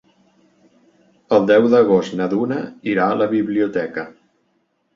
El deu d'agost na Duna irà a la biblioteca.